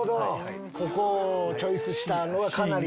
ここをチョイスしたのはかなり。